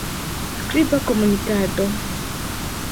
Skriba komunikado.